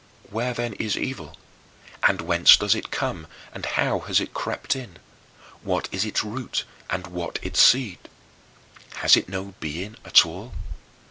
Where, then, is evil, and whence does it come and how has it crept in? What is its root and what its seed? Has it no being at all?